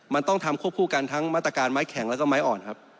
มันต้องทำควบคู่กันทั้งมาตรการไม้แข็งแล้วก็ไม้อ่อนครับ